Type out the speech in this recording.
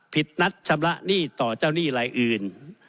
ผิดนัดชำระหนี้ต่อเจ้าหนี้รายอื่น